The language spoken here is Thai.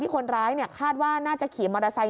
คนร้ายคาดว่าน่าจะขี่มอเตอร์ไซค